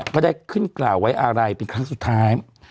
ก็ได้ขึ้นกล่าวไว้อะไรเป็นครั้งสุดท้าย